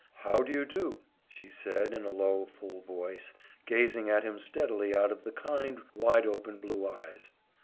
"How do you do?" she said in a low, full voice, gazing at him steadily out of the kind, wide open blue eyes.